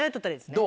どう？